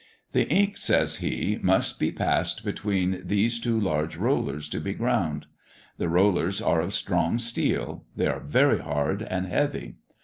"The ink," says he, "must pass between these two large rollers to be ground. The rollers are of strong steel; they are very hard and heavy.